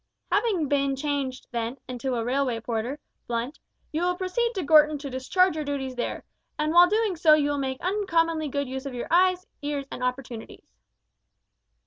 "Having been changed, then, into a railway porter, Blunt, you will proceed to Gorton to discharge your duties there, and while doing so you will make uncommonly good use of your eyes, ears, and opportunities."